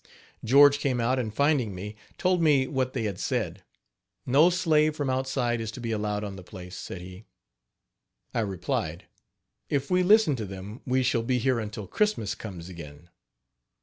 George came out, and finding me, told me what they had said. "No slave from outside is to be allowed on the place," said he. I replied: "If we listen to them we shall be here until Christmas comes again.